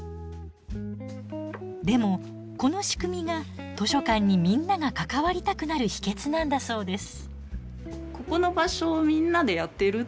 でもこの仕組みが図書館にみんなが関わりたくなる秘けつなんだそうです。